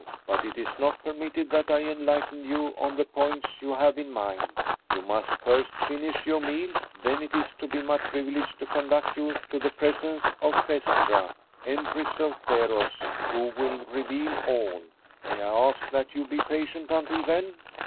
But it is not permitted that I enlighten you on the points you have in mind. You must first finish your meal. Then it is to be my privilege to conduct you to the presence of Phaestra, Empress of Theros, who will reveal all. May I ask that you be patient until then?"